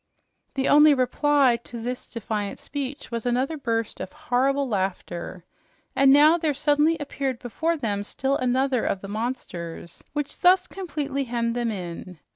The only reply to this defiant speech was another burst of horrible laughter; and now there suddenly appeared before them still another of the monsters, which thus completely hemmed them in.